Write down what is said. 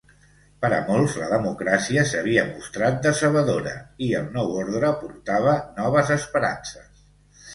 Per a molts la democràcia s'havia mostrat decebedora, i el Nou Ordre portava noves esperances.